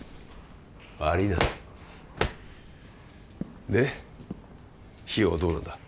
悪いなで費用はどうなんだ？